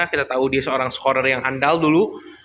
kita tau dia seorang scorer yang handal dulu